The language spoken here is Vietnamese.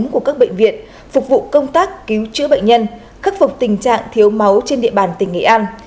của các bệnh viện phục vụ công tác cứu chữa bệnh nhân khắc phục tình trạng thiếu máu trên địa bàn tỉnh nghệ an